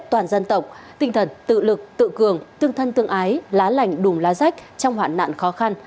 tinh thần tự lực tự cường tương thân tương ái lá lành đùm lá rách trong hoạn nạn khó khăn